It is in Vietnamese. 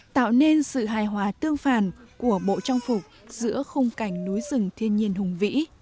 tạo nên sự hài hòa tương phản của bộ trang phục giữa khung cảnh núi rừng thiên nhiên hùng vĩ